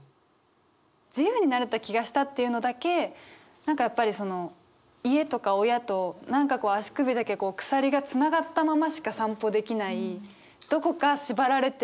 「自由になれた気がした」っていうのだけ何かやっぱりその家とか親と何かこう足首だけ鎖がつながったまましか散歩できない